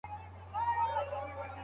روغتونونه چاپیریال ته څه زیان رسوي؟